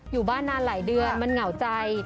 อยู่บ้านนานหลายเดือนมันเหงาใจ